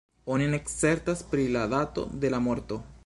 Oni ne certas pri la dato de la morto.